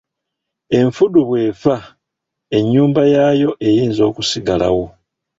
Enfudu bw’efa ennyumba yaayo eyinza okusigalawo.